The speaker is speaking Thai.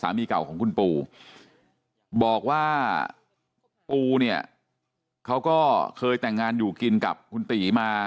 เก่าของคุณปูบอกว่าปูเนี่ยเขาก็เคยแต่งงานอยู่กินกับคุณตีมา